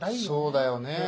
そうだよね。